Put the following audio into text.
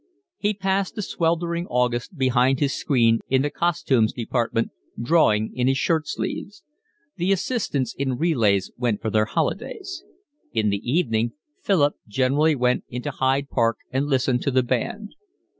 He passed a sweltering August behind his screen in the costumes department, drawing in his shirt sleeves. The assistants in relays went for their holidays. In the evening Philip generally went into Hyde Park and listened to the band.